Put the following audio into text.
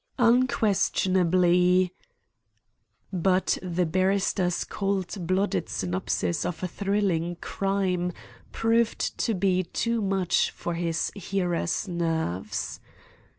"Unquestionably " But the barrister's cold blooded synopsis of a thrilling crime proved to be too much for his hearer's nerves.